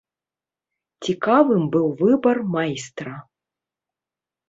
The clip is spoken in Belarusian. Цікавым быў выбар майстра.